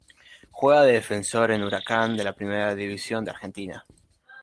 Juega de defensor en Huracán de la Primera División de Argentina.